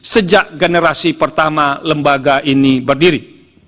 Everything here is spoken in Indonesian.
sejak generasi pertama lembaga ini berdiri